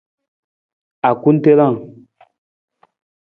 Akutelang.